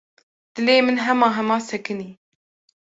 Dilê min hema hema sekinî.